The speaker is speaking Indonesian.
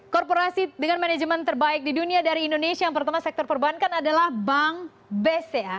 korporasi dengan manajemen terbaik di dunia dari indonesia yang pertama sektor perbankan adalah bank bca